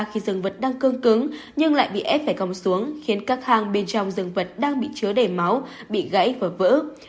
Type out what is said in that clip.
khi dương vật đang cương cứng nhưng lại bị ép phải gong xuống khiến các hang bên trong dương vật đang bị chứa đầy máu bị gãy và vỡ